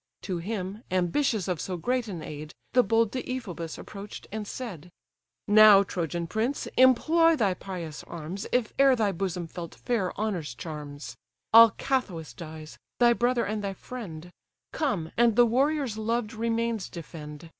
To him, ambitious of so great an aid, The bold Deiphobus approach'd, and said: "Now, Trojan prince, employ thy pious arms, If e'er thy bosom felt fair honour's charms. Alcathous dies, thy brother and thy friend; Come, and the warrior's loved remains defend.